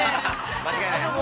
◆間違いないです。